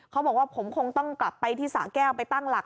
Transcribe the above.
เขาบอกว่าผมคงต้องกลับไปที่สะแก้วไปตั้งหลัก